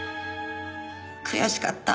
悔しかった。